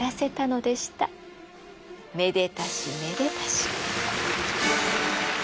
めでたしめでたし。